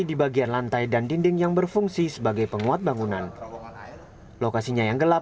di bagian lantai dan dinding yang berfungsi sebagai penguat bangunan lokasinya yang gelap